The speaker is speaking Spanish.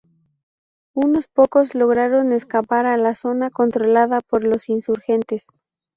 Unos pocos lograron escapar a la zona controlada por los insurgentes.